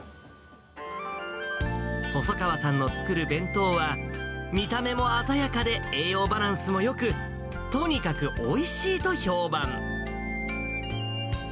細川さんの作る弁当は、見た目も鮮やかで、栄養バランスもよく、とにかくおいしいと評判。